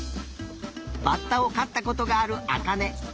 バッタをかったことがあるあかね。